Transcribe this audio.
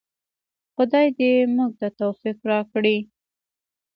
خدای دې موږ ته توفیق راکړي؟